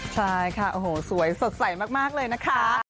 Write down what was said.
ใช่ค่ะโอ้โหสวยสดใสมากเลยนะคะ